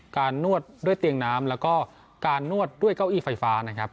นวดด้วยเตียงน้ำแล้วก็การนวดด้วยเก้าอี้ไฟฟ้านะครับ